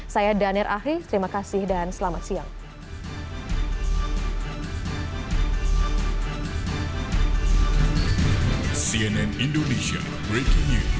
saya daniel ahri terima kasih dan selamat siang